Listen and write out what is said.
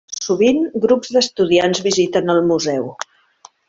Sovint, grups d'estudiants visiten el museu.